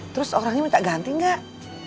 terus orangnya minta ganti enggak